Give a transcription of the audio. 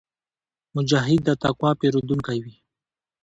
مجاهد د تقوا پېرودونکی وي.